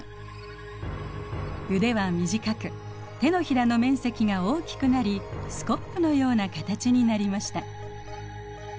腕は短く手のひらの面積が大きくなりスコップのような形になりました。